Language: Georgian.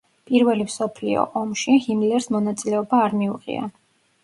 პირველი მსოფლიო ომში ჰიმლერს მონაწილეობა არ მიუღია.